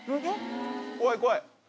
怖い怖い。